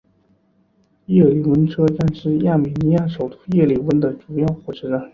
叶里温车站是亚美尼亚首都叶里温的主要火车站。